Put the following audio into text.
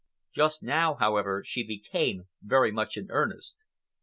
Just now, however, she became very much in earnest.